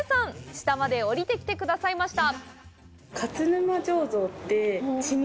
下まで降りてきてくださいました！